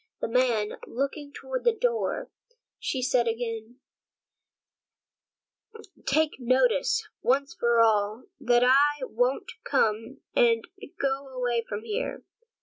The man, looking toward the door, said again: "Take notice, once for all, that I won't come, and go away from there."